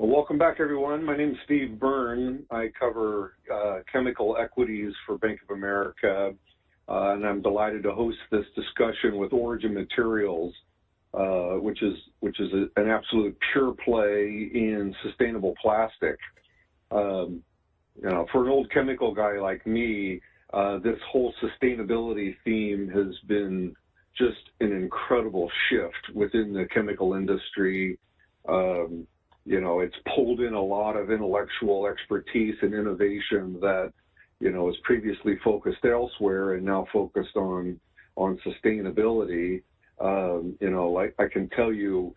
Welcome back, everyone. My name is Steve Byrne. I cover chemical equities for Bank of America, and I'm delighted to host this discussion with Origin Materials, which is an absolute pure play in sustainable plastic. You know, for an old chemical guy like me, this whole sustainability theme has been just an incredible shift within the chemical industry. You know, it's pulled in a lot of intellectual expertise and innovation that, you know, was previously focused elsewhere and now focused on sustainability. You know, I can tell you,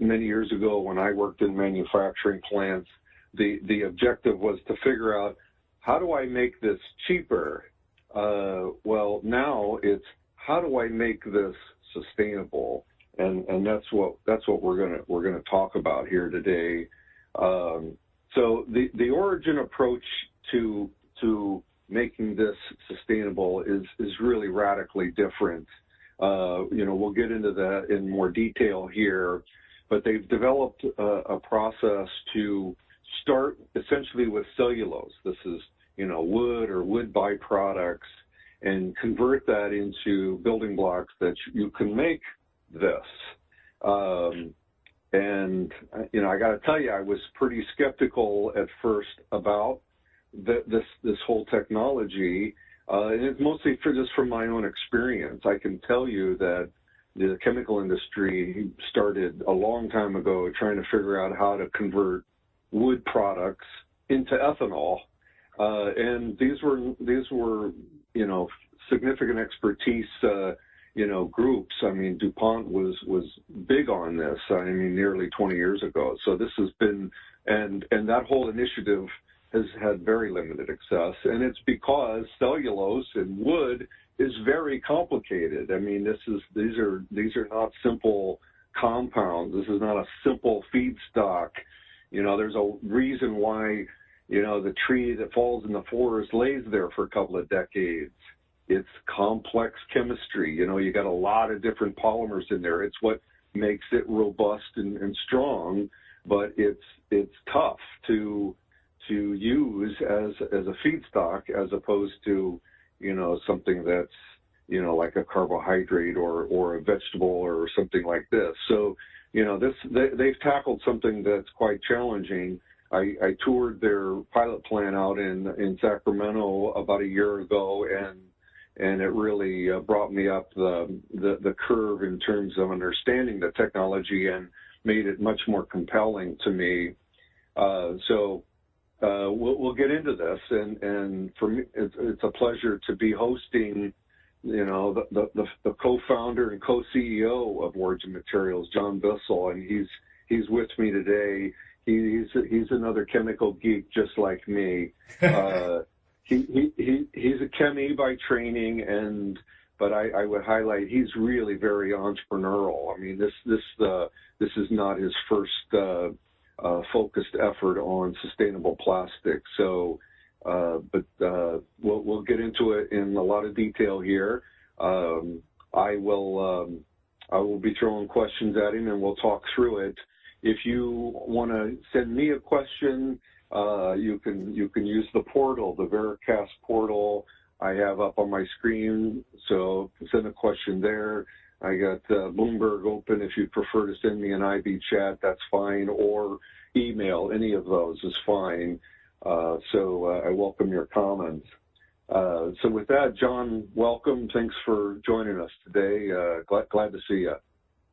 many years ago when I worked in manufacturing plants, the objective was to figure out, how do I make this cheaper? Now it's, how do I make this sustainable? And that's what we're gonna talk about here today. So the Origin approach to making this sustainable is really radically different. You know, we'll get into that in more detail here, but they've developed a process to start essentially with cellulose. This is, you know, wood or wood byproducts and convert that into building blocks that you can make this. And, you know, I gotta tell you, I was pretty skeptical at first about this whole technology. And it's mostly just from my own experience. I can tell you that the chemical industry started a long time ago trying to figure out how to convert wood products into ethanol. And these were, you know, significant expertise, you know, groups. I mean, DuPont was big on this, I mean, nearly 20 years ago. So, this has been, and that whole initiative has had very limited success. It's because cellulose and wood is very complicated. I mean, this is, these are not simple compounds. This is not a simple feedstock. You know, there's a reason why, you know, the tree that falls in the forest lays there for a couple of decades. It's complex chemistry. You know, you got a lot of different polymers in there. It's what makes it robust and strong, but it's tough to use as a feedstock as opposed to, you know, something that's, you know, like a carbohydrate or a vegetable or something like this. So, you know, this, they, they've tackled something that's quite challenging. I toured their pilot plant out in Sacramento about a year ago, and it really brought me up the curve in terms of understanding the technology and made it much more compelling to me. So, we'll get into this. And for me, it's a pleasure to be hosting, you know, the Co-Founder and Co-CEO of Origin Materials, John Bissell, and he's with me today. He's another chemical geek just like me. He's a ChemE by training, but I would highlight he's really very entrepreneurial. I mean, this is not his first focused effort on sustainable plastic. So, we'll get into it in a lot of detail here. I will be throwing questions at him, and we'll talk through it. If you wanna send me a question, you can use the portal, the Veracast portal I have up on my screen. So send a question there. I got Bloomberg open. If you prefer to send me an IB chat, that's fine, or email. Any of those is fine. So I welcome your comments. So with that, John, welcome. Thanks for joining us today. Glad to see you.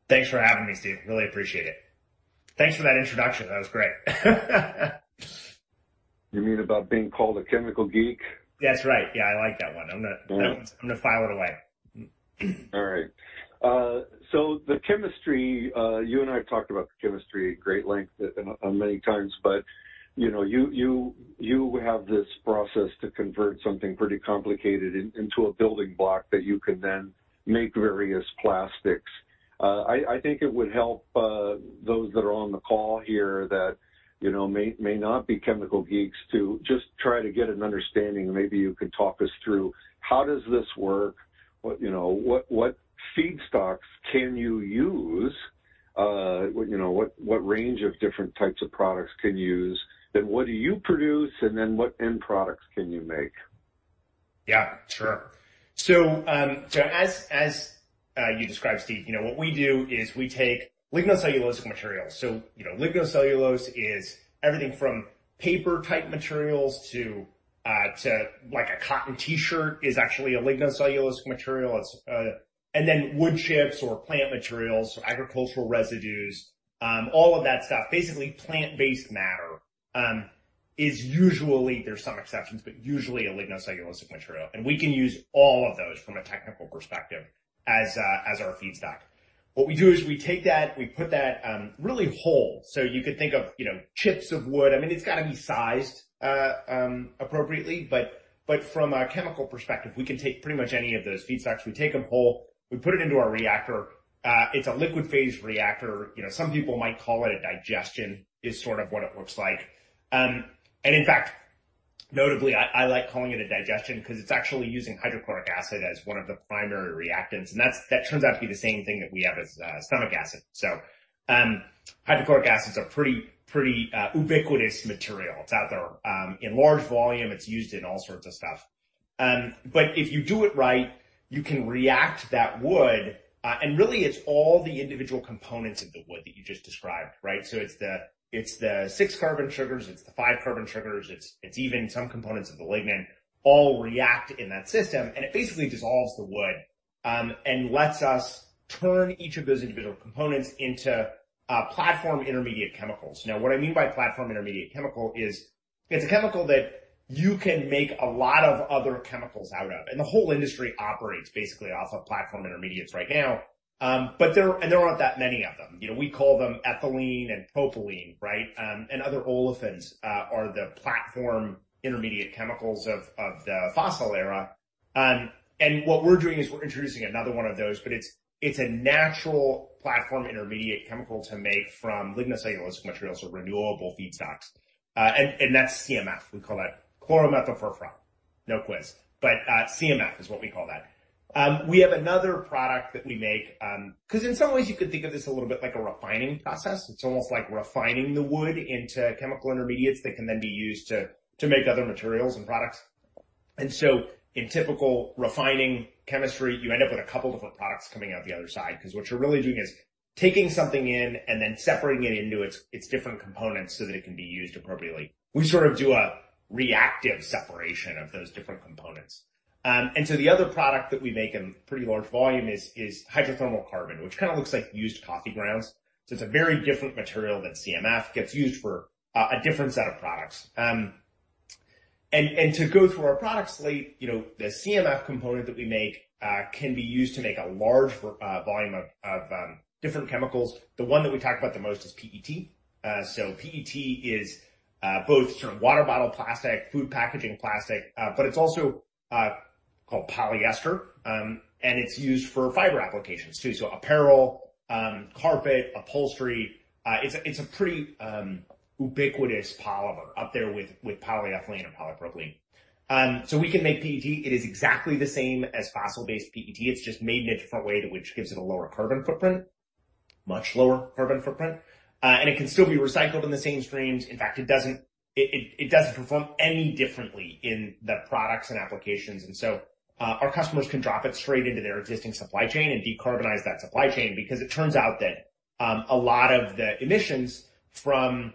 Thanks for having me, Steve. Really appreciate it. Thanks for that introduction. That was great. You mean about being called a chemical geek? That's right. Yeah, I like that one. I'm gonna, I'm gonna file it away. All right. So the chemistry, you and I have talked about the chemistry at great length on many times, but, you know, you have this process to convert something pretty complicated into a building block that you can then make various plastics. I think it would help, those that are on the call here that, you know, may not be chemical geeks to just try to get an understanding. Maybe you could talk us through how does this work? What, you know, what feedstocks can you use? What, you know, what range of different types of products can you use? Then what do you produce, and then what end products can you make? Yeah, sure. So as you described, Steve, you know, what we do is we take lignocellulosic materials. So, you know, lignocellulose is everything from paper-type materials to like a cotton T-shirt is actually a lignocellulosic material. It's and then wood chips or plant materials, agricultural residues, all of that stuff, basically plant-based matter, is usually a lignocellulosic material. There's some exceptions, but usually a lignocellulosic material. And we can use all of those from a technical perspective as our feedstock. What we do is we take that, we put that really whole. So you could think of, you know, chips of wood. I mean, it's gotta be sized appropriately, but from a chemical perspective, we can take pretty much any of those feedstocks. We take them whole, we put it into our reactor. It's a liquid phase reactor. You know, some people might call it a digestion, is sort of what it looks like. And in fact, notably, I, I like calling it a digestion 'cause it's actually using hydrochloric acid as one of the primary reactants. And that's, that turns out to be the same thing that we have as stomach acid. So, hydrochloric acids are pretty, pretty, ubiquitous material. It's out there, in large volume. It's used in all sorts of stuff. But if you do it right, you can react that wood, and really it's all the individual components of the wood that you just described, right? So it's the, it's the six carbon sugars, it's the five carbon sugars, it's, it's even some components of the lignin all react in that system, and it basically dissolves the wood, and lets us turn each of those individual components into platform intermediate chemicals. Now, what I mean by platform intermediate chemical is it's a chemical that you can make a lot of other chemicals out of. And the whole industry operates basically off of platform intermediates right now. But there are, and there aren't that many of them. You know, we call them ethylene and propylene, right? And other olefins are the platform intermediate chemicals of the fossil era. And what we're doing is we're introducing another one of those, but it's a natural platform intermediate chemical to make from lignocellulosic materials or renewable feedstocks. And that's CMF. We call that chloromethylfurfural. No quiz. But CMF is what we call that. We have another product that we make, 'cause in some ways you could think of this a little bit like a refining process. It's almost like refining the wood into chemical intermediates that can then be used to make other materials and products. And so in typical refining chemistry, you end up with a couple different products coming out the other side. 'Cause what you're really doing is taking something in and then separating it into its different components so that it can be used appropriately. We sort of do a reactive separation of those different components. And so the other product that we make in pretty large volume is hydrothermal carbon, which kinda looks like used coffee grounds. So it's a very different material than CMF. Gets used for a different set of products. And to go through our product slate, you know, the CMF component that we make can be used to make a large volume of different chemicals. The one that we talk about the most is PET, so PET is both sort of water bottle plastic, food packaging plastic, but it's also called polyester, and it's used for fiber applications too, so apparel, carpet, upholstery. It's a pretty ubiquitous polymer up there with polyethylene or polypropylene, so we can make PET. It is exactly the same as fossil-based PET. It's just made in a different way to which gives it a lower carbon footprint, much lower carbon footprint, and it can still be recycled in the same streams. In fact, it doesn't perform any differently in the products and applications. And so, our customers can drop it straight into their existing supply chain and decarbonize that supply chain because it turns out that a lot of the emissions from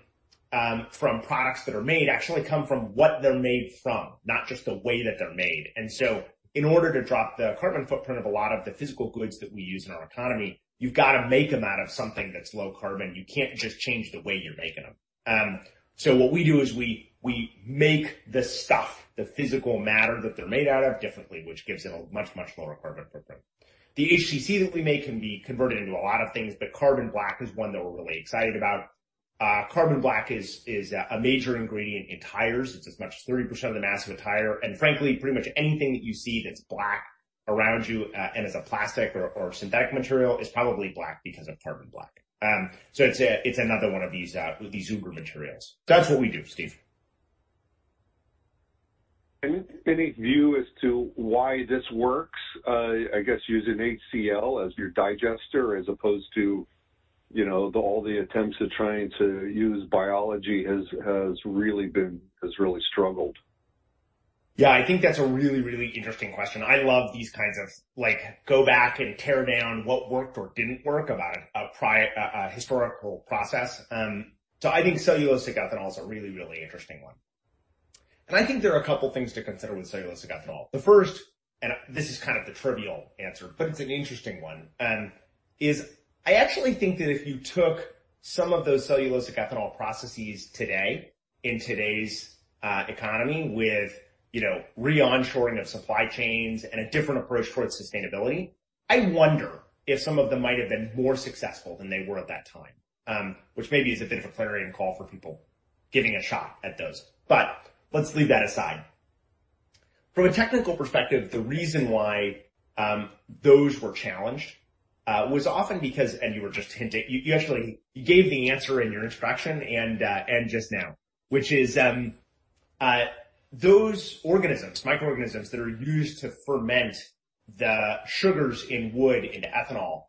products that are made actually come from what they're made from, not just the way that they're made. And so in order to drop the carbon footprint of a lot of the physical goods that we use in our economy, you've gotta make them out of something that's low carbon. You can't just change the way you're making them. So what we do is we make the stuff, the physical matter that they're made out of differently, which gives it a much, much lower carbon footprint. The HTC that we make can be converted into a lot of things, but carbon black is one that we're really excited about. Carbon black is a major ingredient in tires. It's as much as 30% of the mass of a tire, and frankly, pretty much anything that you see that's black around you, and it's a plastic or synthetic material is probably black because of carbon black, so it's another one of these uber materials. That's what we do, Steve. Any view as to why this works? I guess using HCO as your digester as opposed to, you know, all the attempts of trying to use biology has really struggled. Yeah, I think that's a really, really interesting question. I love these kinds of, like, go back and tear down what worked or didn't work about a prior, a historical process, so I think cellulosic ethanol is a really, really interesting one. And I think there are a couple things to consider with cellulosic ethanol. The first, and this is kind of the trivial answer, but it's an interesting one, is I actually think that if you took some of those cellulosic ethanol processes today in today's economy with, you know, re-onshoring of supply chains and a different approach towards sustainability, I wonder if some of them might have been more successful than they were at that time, which maybe is a bit of a clarion call for people giving a shot at those, but let's leave that aside. From a technical perspective, the reason why those were challenged was often because, and you were just hinting, you actually gave the answer in your introduction and just now, which is those organisms, microorganisms that are used to ferment the sugars in wood into ethanol,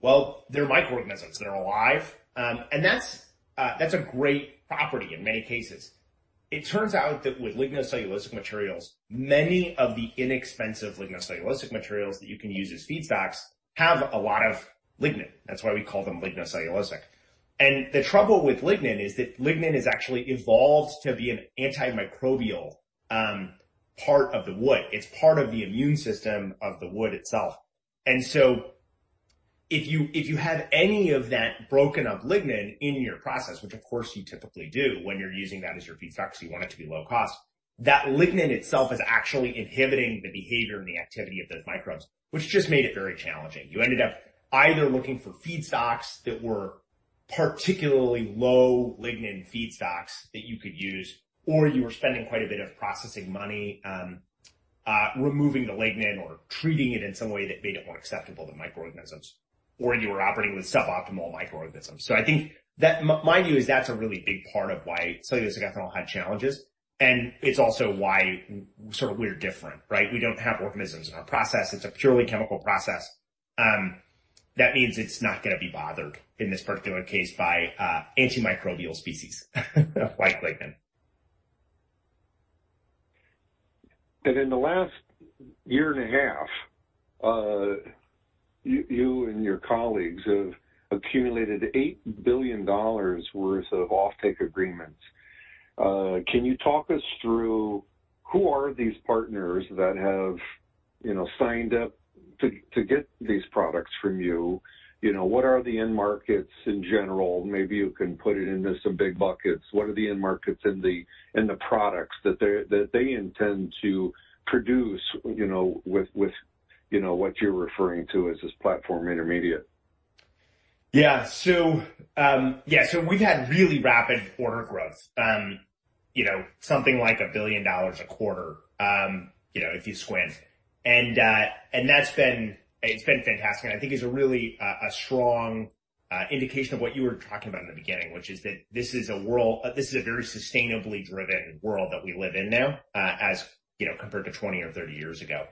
well, they're microorganisms. They're alive. And that's a great property in many cases. It turns out that with lignocellulosic materials, many of the inexpensive lignocellulosic materials that you can use as feedstocks have a lot of lignin. That's why we call them lignocellulosic. And the trouble with lignin is that lignin has actually evolved to be an antimicrobial part of the wood. It's part of the immune system of the wood itself. And so if you have any of that broken up lignin in your process, which of course you typically do when you're using that as your feedstocks, you want it to be low cost, that lignin itself is actually inhibiting the behavior and the activity of those microbes, which just made it very challenging. You ended up either looking for feedstocks that were particularly low lignin feedstocks that you could use, or you were spending quite a bit of processing money, removing the lignin or treating it in some way that made it more acceptable to microorganisms, or you were operating with suboptimal microorganisms. So I think that, mind you, that's a really big part of why cellulosic ethanol had challenges. And it's also why sort of we're different, right? We don't have organisms in our process. It's a purely chemical process. That means it's not gonna be bothered in this particular case by antimicrobial species like lignin. In the last year and a half, you and your colleagues have accumulated $8 billion worth of offtake agreements. Can you talk us through who are these partners that have, you know, signed up to get these products from you? You know, what are the end markets in general? Maybe you can put it into some big buckets. What are the end markets in the products that they intend to produce, you know, with what you're referring to as this platform intermediate? Yeah. So we've had really rapid order growth, you know, something like $1 billion a quarter, you know, if you squint. And that's been fantastic. And I think it's a really strong indication of what you were talking about in the beginning, which is that this is a world, this is a very sustainably driven world that we live in now, as you know, compared to 20 or 30 years ago.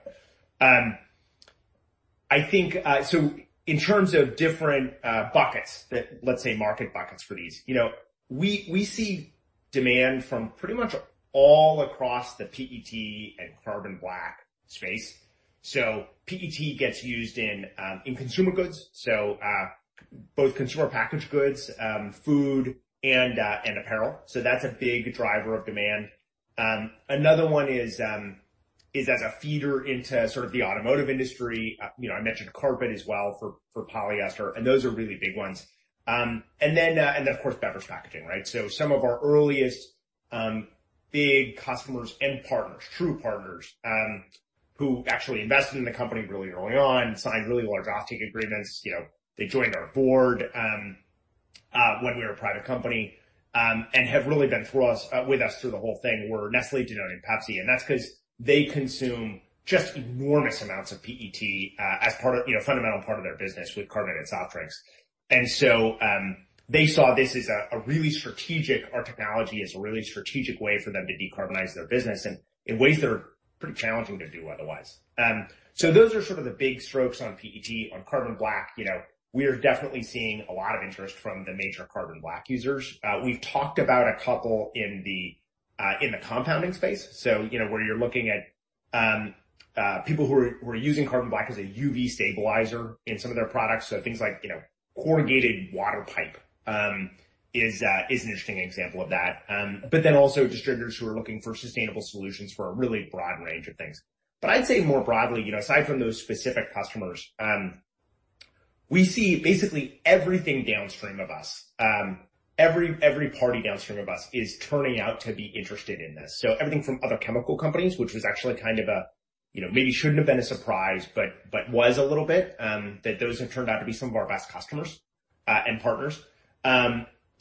I think so in terms of different buckets, let's say market buckets for these, you know, we see demand from pretty much all across the PET and carbon black space. So PET gets used in consumer goods. So both consumer packaged goods, food, and apparel. So that's a big driver of demand. Another one is as a feeder into sort of the automotive industry. You know, I mentioned carpet as well for polyester, and those are really big ones. And then of course beverage packaging, right? Some of our earliest big customers and partners, true partners, who actually invested in the company really early on, signed really large offtake agreements. You know, they joined our board when we were a private company, and have really been with us through the whole thing. We're Nestlé, Danone, and Pepsi. And that's 'cause they consume just enormous amounts of PET as part of their business with carbon and soft drinks. And so they saw this as a really strategic way, our technology as a really strategic way for them to decarbonize their business in ways that are pretty challenging to do otherwise. Those are sort of the big strokes on PET, on carbon black. You know, we are definitely seeing a lot of interest from the major carbon black users. We've talked about a couple in the compounding space, so you know, where you're looking at people who are using carbon black as a UV stabilizer in some of their products, so things like, you know, corrugated water pipe is an interesting example of that, but then also distributors who are looking for sustainable solutions for a really broad range of things, but I'd say more broadly, you know, aside from those specific customers, we see basically everything downstream of us. Every party downstream of us is turning out to be interested in this. So everything from other chemical companies, which was actually kind of a, you know, maybe shouldn't have been a surprise, but was a little bit, that those have turned out to be some of our best customers and partners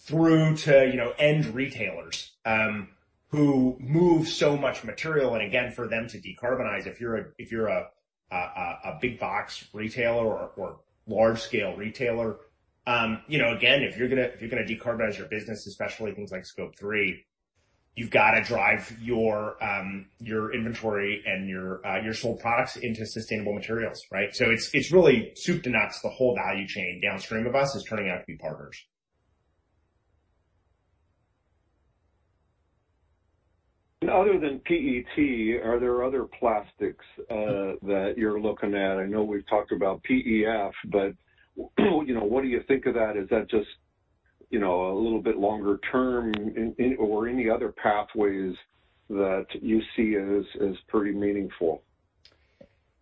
through to, you know, end retailers who move so much material. And again, for them to decarbonize, if you're a big box retailer or large scale retailer, you know, again, if you're gonna decarbonize your business, especially things like Scope 3, you've gotta drive your inventory and your sold products into sustainable materials, right? So it's really soup to nuts. The whole value chain downstream of us is turning out to be partners. And other than PET, are there other plastics that you're looking at? I know we've talked about PEF, but, you know, what do you think of that? Is that just, you know, a little bit longer term in, or any other pathways that you see as pretty meaningful?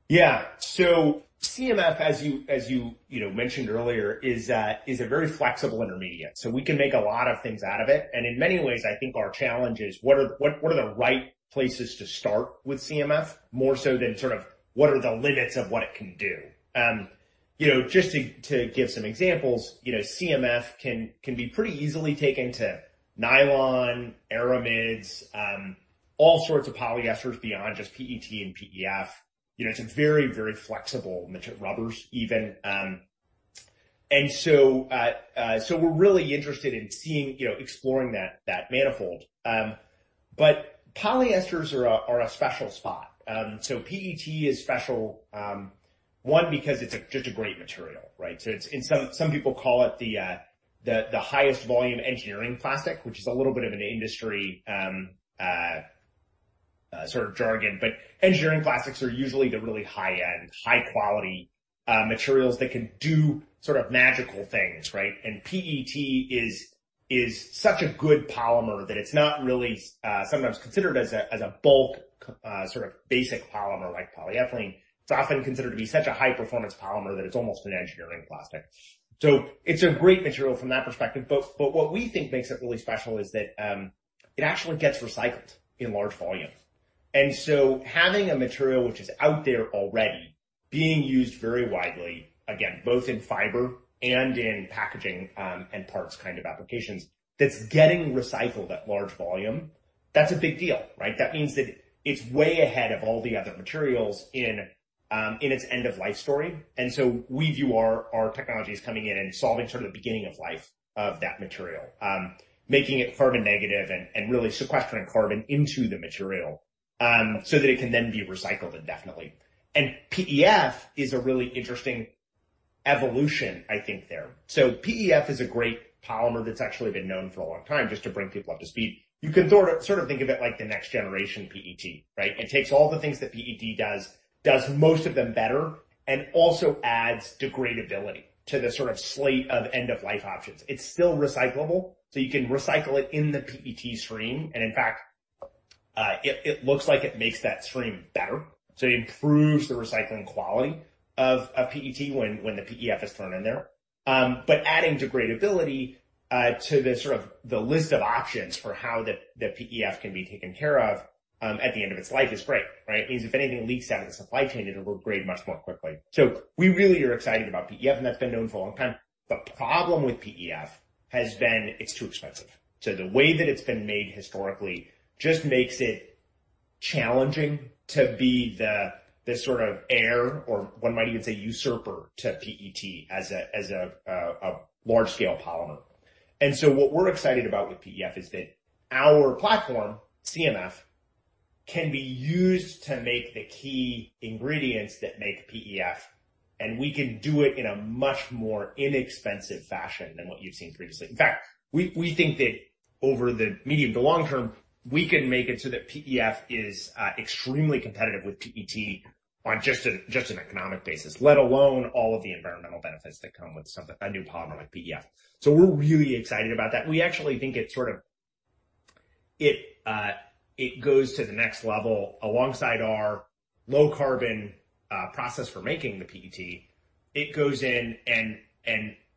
Yeah, so CMF, as you, you know, mentioned earlier, is a very flexible intermediate, so we can make a lot of things out of it, and in many ways, I think our challenge is what are the right places to start with CMF more so than sort of what are the limits of what it can do? You know, just to give some examples, you know, CMF can be pretty easily taken to nylon, aramids, all sorts of polyesters beyond just PET and PEF. You know, it's a very, very flexible more rubbers even, and so we're really interested in seeing, you know, exploring that manifold, but polyesters are a special spot, so PET is special, one because it's just a great material, right? So some people call it the highest volume engineering plastic, which is a little bit of an industry sort of jargon, but engineering plastics are usually the really high-end, high-quality materials that can do sort of magical things, right? And PET is such a good polymer that it's not really sometimes considered as a bulk sort of basic polymer like polyethylene. It's often considered to be such a high-performance polymer that it's almost an engineering plastic. So it's a great material from that perspective. But what we think makes it really special is that it actually gets recycled in large volume. And so having a material which is out there already being used very widely, again, both in fiber and in packaging, and parts kind of applications, that's getting recycled at large volume, that's a big deal, right? That means that it's way ahead of all the other materials in its end-of-life story. And so we view our technology is coming in and solving sort of the beginning of life of that material, making it carbon negative and really sequestering carbon into the material, so that it can then be recycled indefinitely. And PEF is a really interesting evolution, I think, there. So PEF is a great polymer that's actually been known for a long time, just to bring people up to speed. You can sort of think of it like the next generation PET, right? It takes all the things that PET does, does most of them better, and also adds degradability to the sort of slate of end-of-life options. It's still recyclable, so you can recycle it in the PET stream. And in fact, it looks like it makes that stream better. So it improves the recycling quality of PET when the PEF is thrown in there. But adding degradability to the sort of list of options for how the PEF can be taken care of at the end of its life is great, right? It means if anything leaks out of the supply chain, it'll degrade much more quickly. So we really are excited about PEF, and that's been known for a long time. The problem with PEF has been it's too expensive. So the way that it's been made historically just makes it challenging to be the sort of heir or one might even say usurper to PET as a large-scale polymer. What we're excited about with PEF is that our platform, CMF, can be used to make the key ingredients that make PEF, and we can do it in a much more inexpensive fashion than what you've seen previously. In fact, we think that over the medium to long term, we can make it so that PEF is extremely competitive with PET on just an economic basis, let alone all of the environmental benefits that come with something new polymer like PEF. We're really excited about that. We actually think it sort of goes to the next level alongside our low-carbon process for making the PET. It goes in and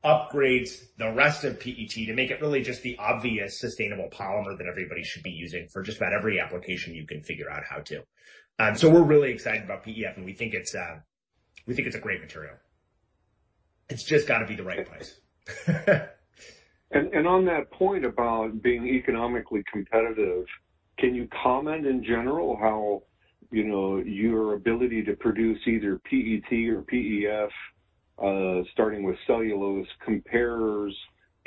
upgrades the rest of PET to make it really just the obvious sustainable polymer that everybody should be using for just about every application you can figure out how to. So we're really excited about PEF, and we think it's a great material. It's just gotta be the right price. On that point about being economically competitive, can you comment in general how, you know, your ability to produce either PET or PEF, starting with cellulose, compares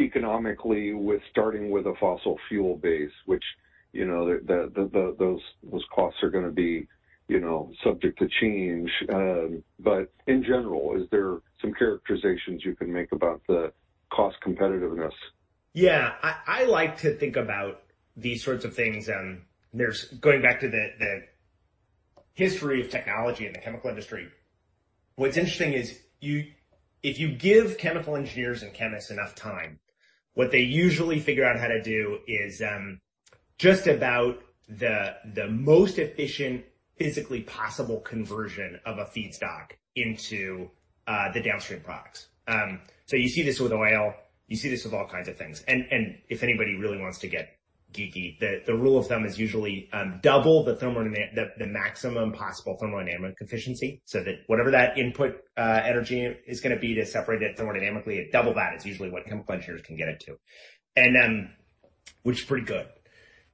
economically with starting with a fossil fuel base, which, you know, those costs are gonna be, you know, subject to change? But in general, is there some characterizations you can make about the cost competitiveness? Yeah. I like to think about these sorts of things. There's going back to the history of technology in the chemical industry. What's interesting is, if you give chemical engineers and chemists enough time, what they usually figure out how to do is just about the most efficient physically possible conversion of a feedstock into the downstream products. So you see this with oil. You see this with all kinds of things. And if anybody really wants to get geeky, the rule of thumb is usually double the thermodynamic maximum possible thermodynamic efficiency so that whatever that input energy is gonna be to separate it thermodynamically, double that is usually what chemical engineers can get it to. And which is pretty good.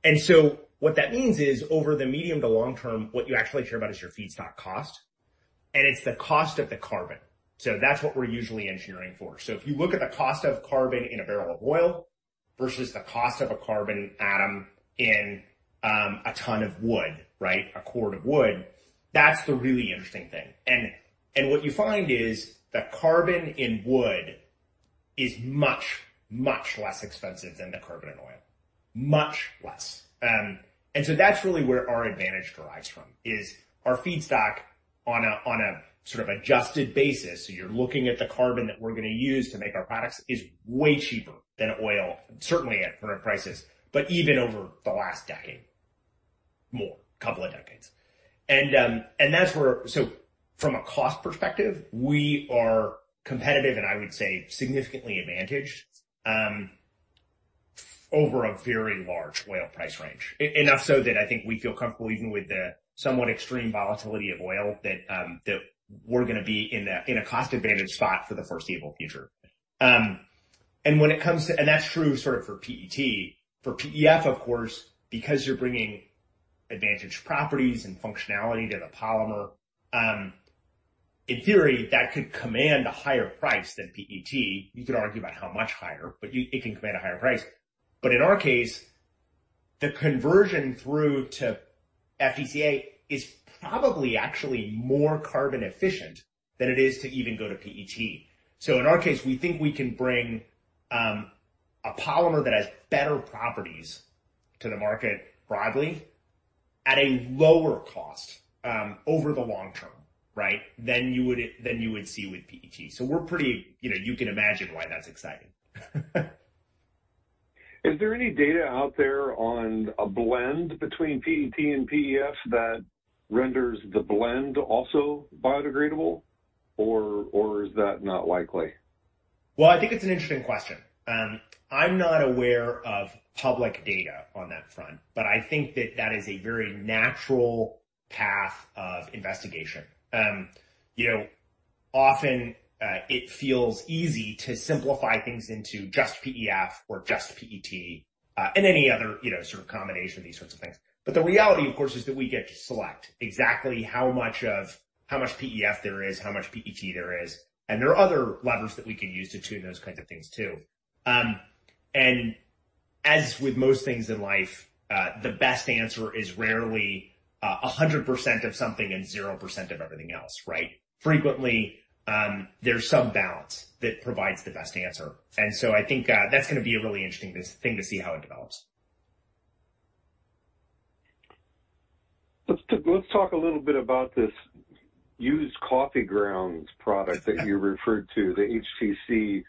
And so what that means is over the medium to long term, what you actually care about is your feedstock cost, and it's the cost of the carbon. So that's what we're usually engineering for. So if you look at the cost of carbon in a barrel of oil versus the cost of a carbon atom in a ton of wood, right, a cord of wood, that's the really interesting thing. And what you find is the carbon in wood is much, much less expensive than the carbon in oil, much less. And so that's really where our advantage derives from is our feedstock on a sort of adjusted basis. So you're looking at the carbon that we're gonna use to make our products is way cheaper than oil, certainly at current prices, but even over the last decade, more couple of decades. That's where, so from a cost perspective, we are competitive and I would say significantly advantaged over a very large oil price range, enough so that I think we feel comfortable even with the somewhat extreme volatility of oil that we're gonna be in a cost advantage spot for the foreseeable future. When it comes to, that's true sort of for PET, for PEF, of course, because you're bringing advantage properties and functionality to the polymer, in theory, that could command a higher price than PET. You could argue about how much higher, but you, it can command a higher price. But in our case, the conversion through to FDCA is probably actually more carbon efficient than it is to even go to PET. So in our case, we think we can bring a polymer that has better properties to the market broadly at a lower cost, over the long term, right, than you would see with PET. So we're pretty, you know, you can imagine why that's exciting. Is there any data out there on a blend between PET and PEF that renders the blend also biodegradable, or is that not likely? Well, I think it's an interesting question. I'm not aware of public data on that front, but I think that that is a very natural path of investigation. You know, often, it feels easy to simplify things into just PEF or just PET, and any other, you know, sort of combination, these sorts of things. But the reality, of course, is that we get to select exactly how much of, how much PEF there is, how much PET there is. And there are other levers that we can use to tune those kinds of things too. And as with most things in life, the best answer is rarely 100% of something and 0% of everything else, right? Frequently, there's some balance that provides the best answer. And so I think that's gonna be a really interesting thing to see how it develops. Let's talk a little bit about this used coffee grounds product that you referred to, the HTC.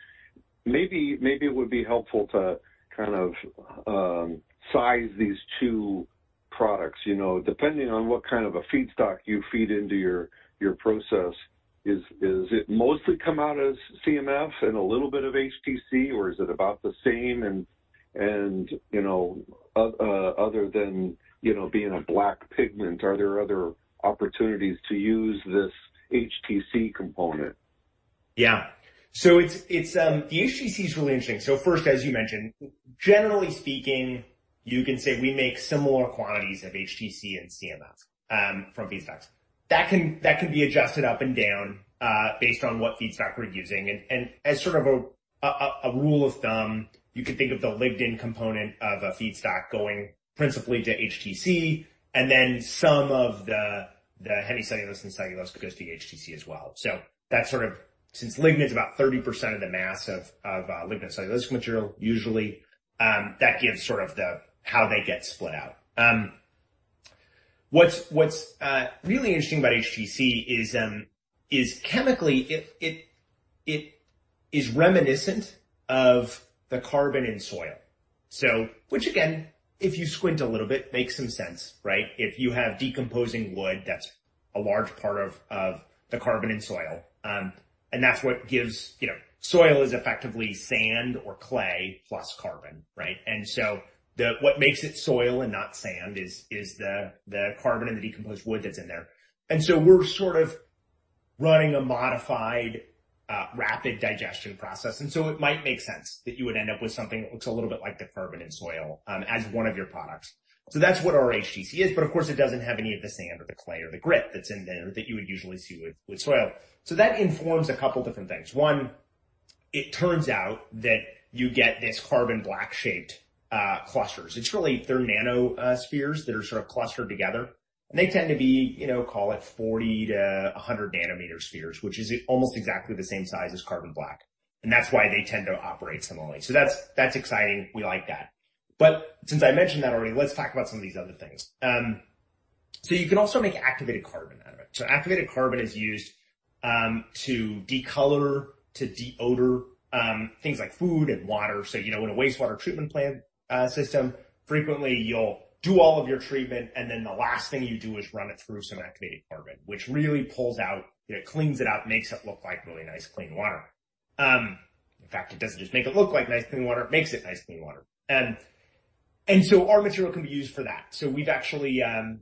Maybe it would be helpful to kind of size these two products, you know, depending on what kind of a feedstock you feed into your process. Is it mostly come out as CMF and a little bit of HTC, or is it about the same? And other than, you know, being a black pigment, are there other opportunities to use this HTC component? Yeah. So it's the HTC is really interesting. So first, as you mentioned, generally speaking, you can say we make similar quantities of HTC and CMF from feedstocks. That can be adjusted up and down, based on what feedstock we're using. And as sort of a rule of thumb, you could think of the lignin component of a feedstock going principally to HTC, and then some of the hemicellulose and cellulose goes to the HTC as well. So that's sort of since lignin is about 30% of the mass of lignin and cellulose material, usually, that gives sort of the how they get split out. What's really interesting about HTC is chemically it is reminiscent of the carbon in soil. So which again, if you squint a little bit, makes some sense, right? If you have decomposing wood, that's a large part of the carbon in soil. That's what gives, you know, soil is effectively sand or clay plus carbon, right? And so what makes it soil and not sand is the carbon and the decomposed wood that's in there. And so we're sort of running a modified, rapid digestion process. And so it might make sense that you would end up with something that looks a little bit like the carbon in soil, as one of your products. So that's what our HTC is. But of course, it doesn't have any of the sand or the clay or the grit that's in there that you would usually see with soil. So that informs a couple different things. One, it turns out that you get this carbon black-shaped clusters. It's really, they're nanospheres that are sort of clustered together, and they tend to be, you know, call it 40 nm-100 nm spheres, which is almost exactly the same size as carbon black. And that's why they tend to operate similarly. So that's exciting. We like that. But since I mentioned that already, let's talk about some of these other things, so you can also make activated carbon out of it. So activated carbon is used to decolor, to deodor, things like food and water. So, you know, in a wastewater treatment plant system, frequently you'll do all of your treatment, and then the last thing you do is run it through some activated carbon, which really pulls out, you know, cleans it up, makes it look like really nice clean water. In fact, it doesn't just make it look like nice clean water, it makes it nice clean water, and so our material can be used for that. We've actually an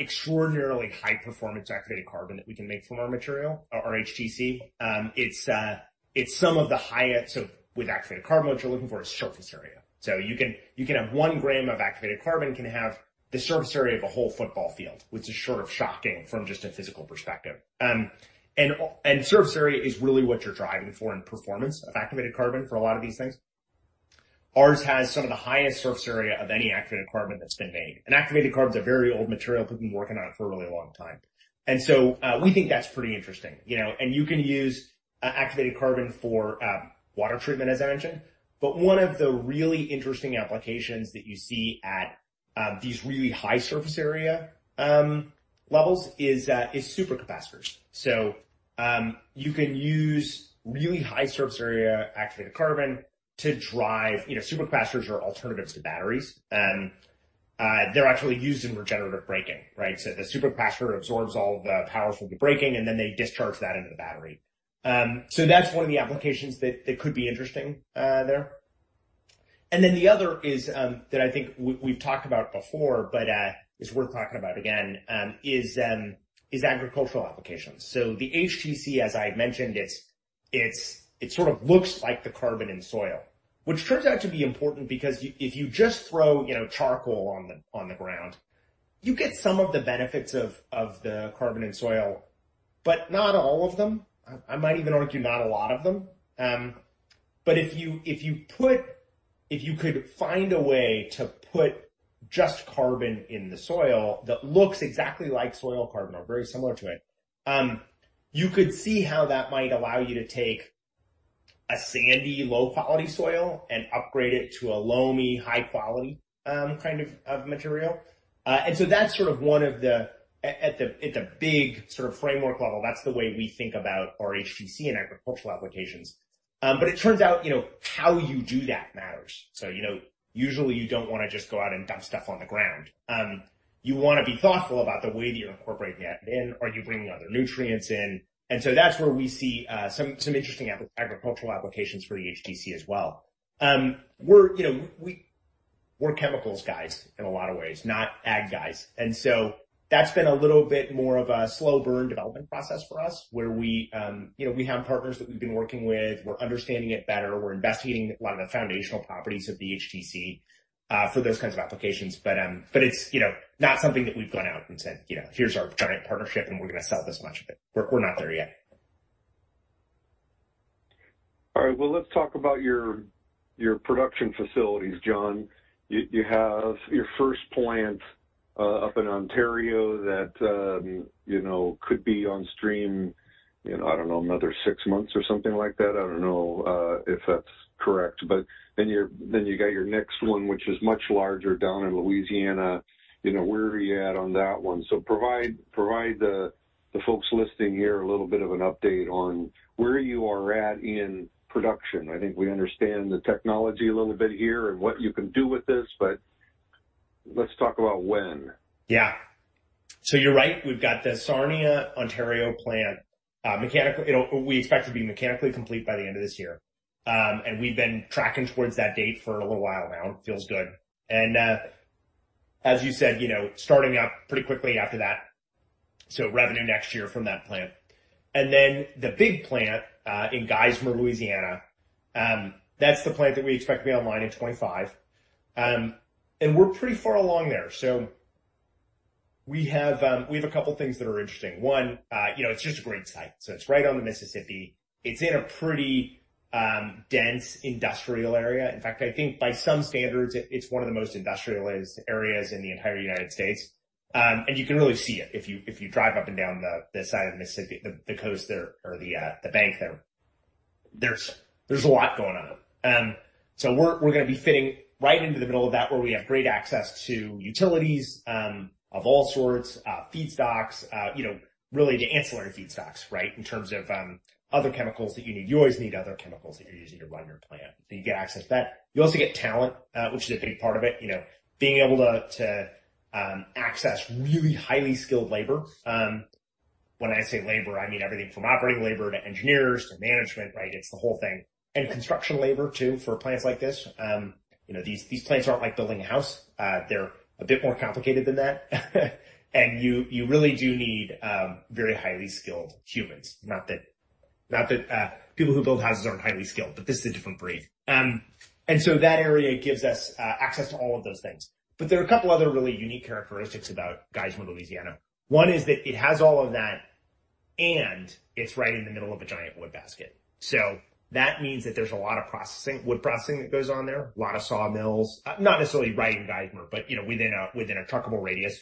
extraordinarily high-performance activated carbon that we can make from our material, our HTC. It's some of the highest. With activated carbon, what you're looking for is surface area. You can have one gram of activated carbon can have the surface area of a whole football field, which is sort of shocking from just a physical perspective. Surface area is really what you're driving for in performance of activated carbon for a lot of these things. Ours has some of the highest surface area of any activated carbon that's been made, and activated carbon's a very old material that we've been working on for a really long time. And so, we think that's pretty interesting, you know, and you can use activated carbon for water treatment, as I mentioned. But one of the really interesting applications that you see at these really high surface area levels is supercapacitors. So, you can use really high surface area activated carbon to drive, you know, supercapacitors are alternatives to batteries. They're actually used in regenerative braking, right? So the supercapacitor absorbs all the power from the braking, and then they discharge that into the battery. So that's one of the applications that could be interesting there. And then the other is that I think we've talked about before, but is worth talking about again, is agricultural applications. The HTC, as I mentioned, it sort of looks like the carbon in soil, which turns out to be important because if you just throw, you know, charcoal on the ground, you get some of the benefits of the carbon in soil, but not all of them. I might even argue not a lot of them. If you could find a way to put just carbon in the soil that looks exactly like soil carbon or very similar to it, you could see how that might allow you to take a sandy, low-quality soil and upgrade it to a loamy, high-quality kind of material. That's sort of one of the at the big sort of framework level, that's the way we think about our HTC and agricultural applications. But it turns out, you know, how you do that matters. So, you know, usually you don't wanna just go out and dump stuff on the ground. You wanna be thoughtful about the way that you're incorporating it in. Are you bringing other nutrients in? And so that's where we see some interesting agricultural applications for the HTC as well. We're, you know, we're chemicals guys in a lot of ways, not ag guys. And so that's been a little bit more of a slow burn development process for us where we, you know, we have partners that we've been working with. We're understanding it better. We're investigating a lot of the foundational properties of the HTC for those kinds of applications. But it's, you know, not something that we've gone out and said, you know, here's our giant partnership and we're gonna sell this much of it. We're not there yet. All right, well, let's talk about your production facilities, John. You have your first plant up in Ontario that you know could be on stream you know I don't know another six months or something like that. I don't know if that's correct. But then you got your next one which is much larger down in Louisiana. You know, where are you at on that one, so provide the folks listening here a little bit of an update on where you are at in production. I think we understand the technology a little bit here and what you can do with this, but let's talk about when. Yeah. So you're right. We've got the Sarnia, Ontario plant mechanical. We expect to be mechanically complete by the end of this year, and we've been tracking towards that date for a little while now. It feels good, and as you said, you know, starting up pretty quickly after that, so revenue next year from that plant, and then the big plant in Geismar, Louisiana. That's the plant that we expect to be online in 2025, and we're pretty far along there, so we have a couple things that are interesting. One, you know, it's just a great site, so it's right on the Mississippi. It's in a pretty dense industrial area. In fact, I think by some standards, it's one of the most industrialized areas in the entire United States. And you can really see it if you drive up and down the side of the Mississippi, the coast there or the bank there. There's a lot going on. So we're gonna be fitting right into the middle of that where we have great access to utilities of all sorts, feedstocks, you know, really the ancillary feedstocks, right, in terms of other chemicals that you need. You always need other chemicals that you're using to run your plant. So you get access to that. You also get talent, which is a big part of it, you know, being able to access really highly skilled labor. When I say labor, I mean everything from operating labor to engineers to management, right? It's the whole thing. And construction labor too for plants like this. You know, these plants aren't like building a house. They're a bit more complicated than that. And you really do need very highly skilled humans. Not that people who build houses aren't highly skilled, but this is a different breed. And so that area gives us access to all of those things. But there are a couple other really unique characteristics about Geismar, Louisiana. One is that it has all of that, and it's right in the middle of a giant wood basket. So that means that there's a lot of processing, wood processing that goes on there, a lot of sawmills, not necessarily right in Geismar, but you know, within a truckable radius,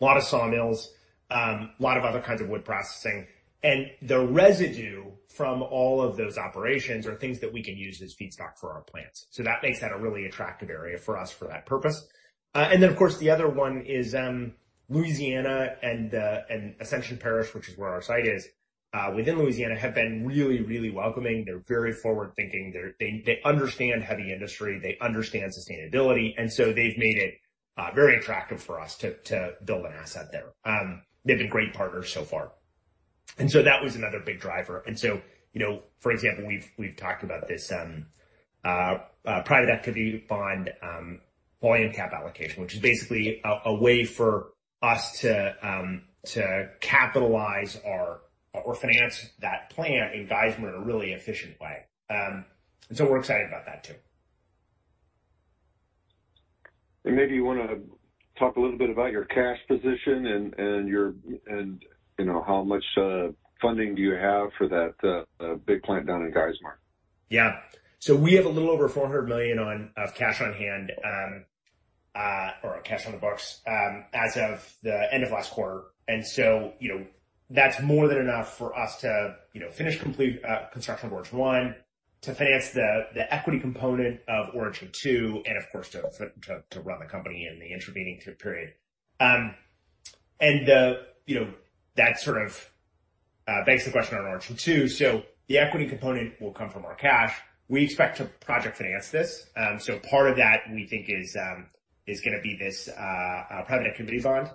a lot of sawmills, a lot of other kinds of wood processing. And the residue from all of those operations are things that we can use as feedstock for our plants. So that makes that a really attractive area for us for that purpose. And then of course, the other one is Louisiana and Ascension Parish, which is where our site is within Louisiana. They have been really, really welcoming. They're very forward-thinking. They understand heavy industry. They understand sustainability. And so they've made it very attractive for us to build an asset there. They've been great partners so far. That was another big driver. You know, for example, we've talked about this private activity bond volume cap allocation, which is basically a way for us to capitalize our financing of that plant in Geismar in a really efficient way. We're excited about that too. Maybe you wanna talk a little bit about your cash position and your, you know, how much funding do you have for that big plant down in Geismar? Yeah. So we have a little over $400 million of cash on hand, or cash on the books, as of the end of last quarter. You know, that's more than enough for us to finish construction of Origin 1, to finance the equity component of Origin 2, and of course, to run the company in the intervening period. You know, that sort of begs the question on Origin 2. The equity component will come from our cash. We expect to project finance this. Part of that we think is gonna be this private activity bond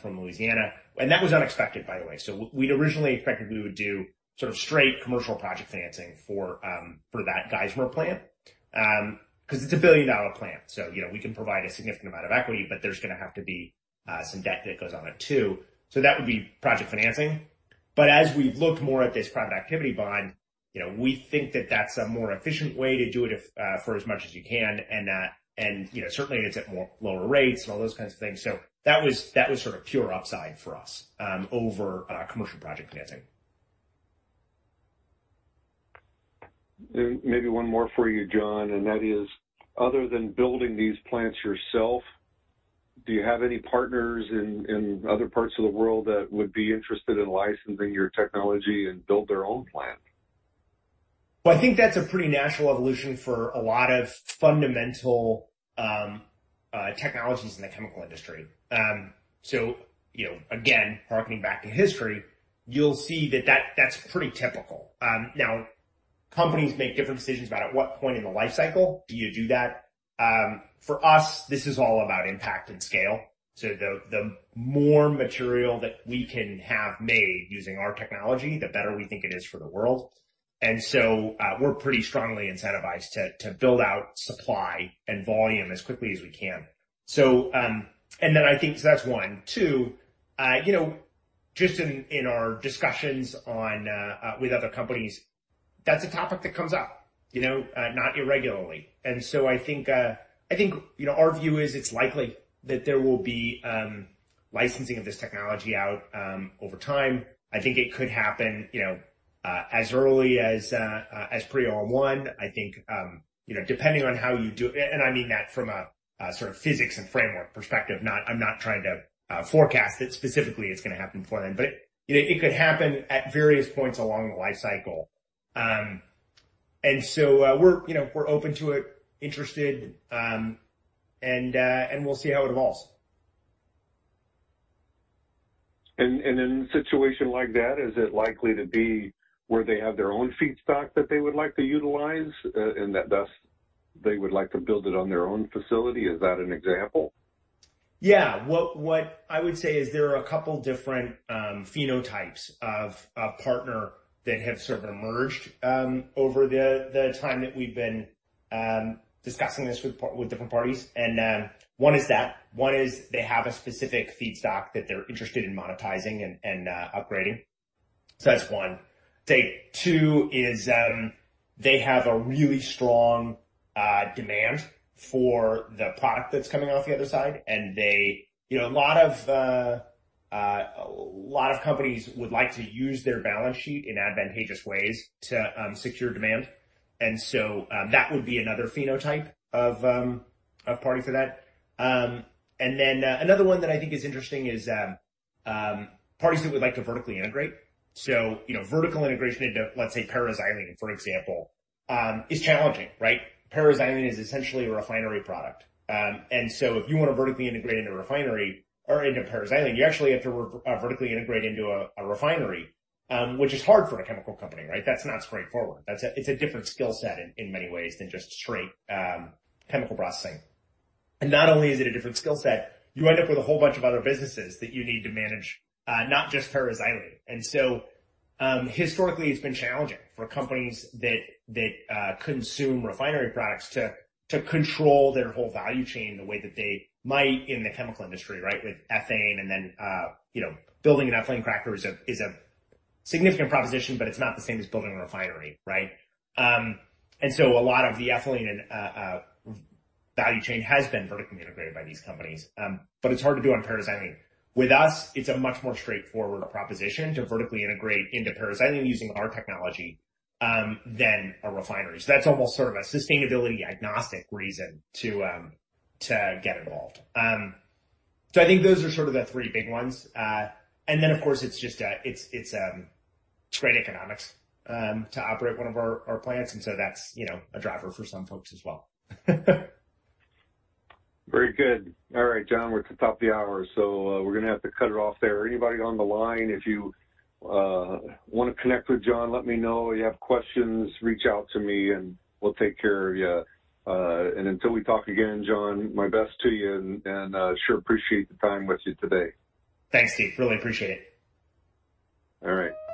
from Louisiana. That was unexpected, by the way. We'd originally expected we would do sort of straight commercial project financing for that Geismar plant, 'cause it's a $1 billion-dollar plant. So, you know, we can provide a significant amount of equity, but there's gonna have to be some debt that goes on it too. So that would be project financing. But as we've looked more at this private activity bond, you know, we think that that's a more efficient way to do it, for as much as you can. And you know, certainly it's at more lower rates and all those kinds of things. So that was sort of pure upside for us, over commercial project financing. Maybe one more for you, John, and that is, other than building these plants yourself, do you have any partners in other parts of the world that would be interested in licensing your technology and build their own plant? I think that's a pretty natural evolution for a lot of fundamental technologies in the chemical industry. You know, again, harkening back to history, you'll see that that's pretty typical. Companies make different decisions about at what point in the life cycle do you do that. For us, this is all about impact and scale. The more material that we can have made using our technology, the better we think it is for the world. We're pretty strongly incentivized to build out supply and volume as quickly as we can. That's one. Two, you know, just in our discussions with other companies, that's a topic that comes up, you know, not irregularly. And so I think, you know, our view is it's likely that there will be licensing of this technology out over time. I think it could happen, you know, as early as pre-Origin 1. I think, you know, depending on how you do it. And I mean that from a sort of physics and framework perspective. I'm not trying to forecast that specifically it's gonna happen before then, but you know, it could happen at various points along the life cycle. So we're, you know, we're open to it, interested, and we'll see how it evolves. In a situation like that, is it likely to be where they have their own feedstock that they would like to utilize, and that thus they would like to build it on their own facility? Is that an example? Yeah. What I would say is there are a couple different phenotypes of partner that have sort of emerged over the time that we've been discussing this with different parties. One is that they have a specific feedstock that they're interested in monetizing and upgrading. So that's one. Two is they have a really strong demand for the product that's coming off the other side. And they, you know, a lot of companies would like to use their balance sheet in advantageous ways to secure demand. And so that would be another phenotype of party for that. Then another one that I think is interesting is parties that would like to vertically integrate. So you know, vertical integration into, let's say, paraxylene, for example, is challenging, right? Paraxylene is essentially a refinery product. And so if you wanna vertically integrate into a refinery or into paraxylene, you actually have to vertically integrate into a refinery, which is hard for a chemical company, right? That's not straightforward. It's a different skill set in many ways than just straight chemical processing. And not only is it a different skill set, you end up with a whole bunch of other businesses that you need to manage, not just paraxylene. And so historically, it's been challenging for companies that consume refinery products to control their whole value chain the way that they might in the chemical industry, right? With ethane and then you know, building an ethane cracker is a significant proposition, but it's not the same as building a refinery, right? And so a lot of the ethylene value chain has been vertically integrated by these companies. But it's hard to do on paraxylene. With us, it's a much more straightforward proposition to vertically integrate into paraxylene using our technology than a refinery. So that's almost sort of a sustainability agnostic reason to get involved. So I think those are sort of the three big ones. And then of course, it's just great economics to operate one of our plants. And so that's, you know, a driver for some folks as well. Very good. All right, John, we're at the top of the hour. So, we're gonna have to cut it off there. Anybody on the line, if you wanna connect with John, let me know. You have questions, reach out to me and we'll take care of you, and until we talk again, John, my best to you and sure appreciate the time with you today. Thanks, Steve. Really appreciate it. All right.